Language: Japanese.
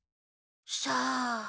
さあ？